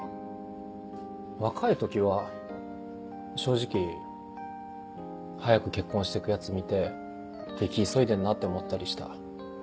若い時は正直早く結婚してくヤツ見て生き急いでんなって思ったりした。